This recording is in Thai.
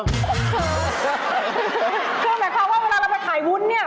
คือหมายความว่าเวลาเราไปขายวุ้นเนี่ย